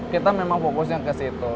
kita memang fokusnya ke situ